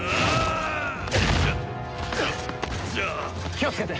気をつけて！